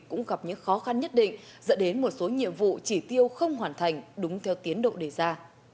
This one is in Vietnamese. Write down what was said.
cũng gặp những khó khăn nhất định dẫn đến một số nhiệm vụ chỉ tiêu không hoàn thành đúng theo tiến độ đề ra